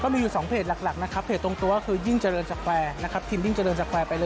ก็มีอยู่๒เพจหลักนะครับเพจตรงตัวคือทีมยิ่งเจริญสแวร์